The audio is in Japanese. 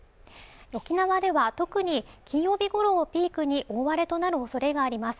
沖縄では特に金曜日ごろをピークに大荒れとなるおそれがあります